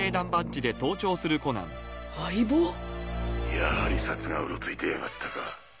やはり警察がうろついてやがったか。